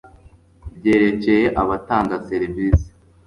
BYEREKEYE ABATANGA SERIVISI